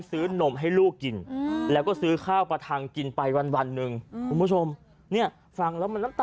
ซื้อนมให้ลูกกินแล้วก็ซื้อข้าวประทังกินไปวันนึง